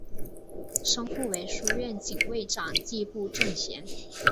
生父为书院警卫长迹部正贤。